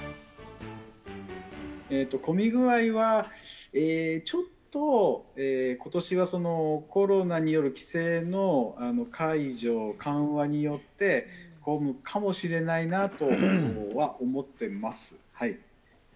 混み具合は、ちょっと、ことしはコロナによる規制の解除、緩和によって混むかもしれないなとは思ってます。